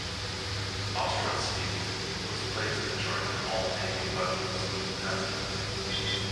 Ostrovsky was placed in charge of all Navy weapons testing.